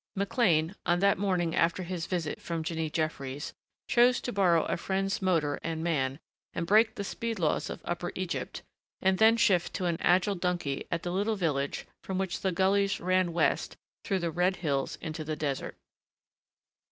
McLean, on that morning after his visit from Jinny Jeffries, chose to borrow a friend's motor and man and break the speed laws of Upper Egypt, and then shift to an agile donkey at the little village from which the gulleys ran west through the red hills into the desert.